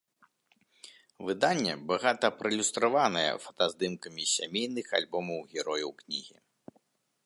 Выданне багата праілюстраваная фотаздымкамі з сямейных альбомаў герояў кнігі.